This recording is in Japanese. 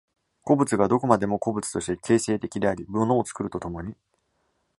個物がどこまでも個物として形成的であり物を作ると共に、